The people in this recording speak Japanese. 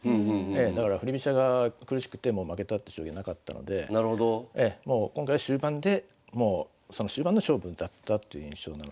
だから振り飛車が苦しくてもう負けたって将棋なかったので今回は終盤でもうその終盤の勝負だったという印象なので。